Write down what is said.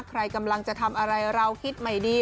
ใครกำลังจะทำอะไรเราคิดใหม่ดี